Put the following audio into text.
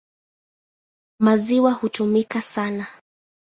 Maziwa hutumika sana.